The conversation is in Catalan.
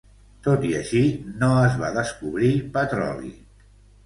Tot i així, no es va descobrir petroli.